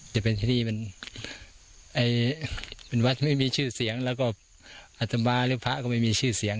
จะเป็นที่นี่มันเป็นวัดไม่มีชื่อเสียงแล้วก็อัตมาหรือพระก็ไม่มีชื่อเสียง